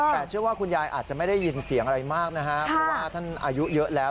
แต่เชื่อว่าคุณยายอาจจะไม่ได้ยินเสียงอะไรมากนะฮะเพราะว่าท่านอายุเยอะแล้ว